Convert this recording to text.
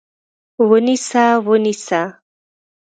ونیسه! ونیسه!